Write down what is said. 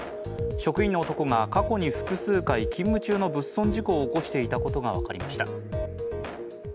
職員の男が過去に複数回、勤務中の物損事故を起こしていたことが分かりました。